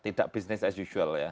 tidak business as usual ya